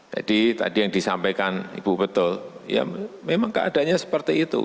jadi tadi yang disampaikan ibu betul ya memang keadaannya seperti itu